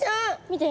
見て。